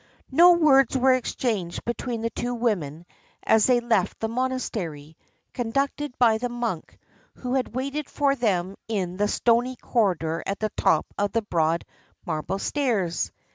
No words were exchanged between the two women as they left the monastery, conducted by the monk, who had waited for them in the stony corridor at the top of the broad marble stairs.